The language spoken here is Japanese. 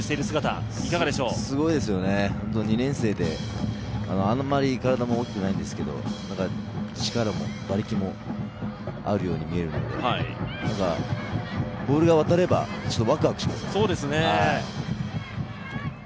すごいですよね、２年生で、あまり体も大きくないんですけど力も馬力もあるように見えるので、ボールが渡ればワクワクしますね。